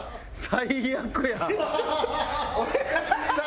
最悪や！